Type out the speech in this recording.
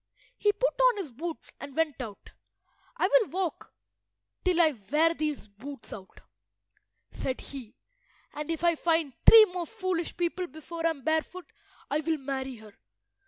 He put on his boots and went out. "I will walk till I wear these boots out," said he, "and if I find three more foolish people before I am barefoot, I will marry her."